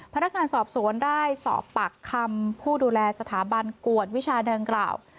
พนักงานสอบสวนได้สอบปากคำผู้ดูแลสถาบันกวดวิชาดังกล่าว